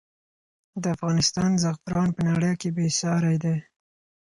د افغانستان زعفران په نړۍ کې بې ساری دی.